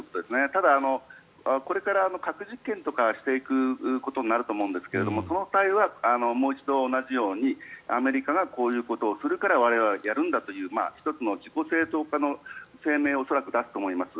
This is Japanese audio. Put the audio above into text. ただ、これから核実験とかをしていくことになると思うんですがその際は、もう一度同じようにアメリカがこういうことをするから我々はやるんだという１つの自己正当化の声明を恐らく出すと思います。